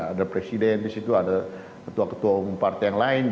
ada presiden di situ ada ketua ketua umum partai yang lain